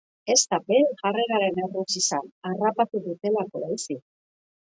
Ez da bere jarreraren erruz izan, harrapatu dutelako baizik.